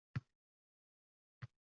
Falakdami shovullar daryo?